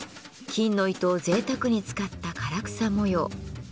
金の糸をぜいたくに使った唐草模様。